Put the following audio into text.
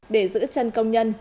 để giữ chân công nhân